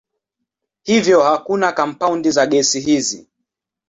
Hivyo hakuna kampaundi za gesi hizi.